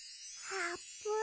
あーぷん！